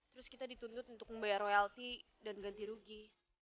terus kita dituntut untuk membayar royalti dan ganti rugi